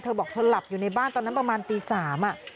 เธอบอกทนหลับอยู่ในบ้านตอนนั้นประมาณตี๓นะคะ